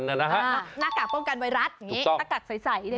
หน้ากากป้องกันไวรัสหน้ากากใส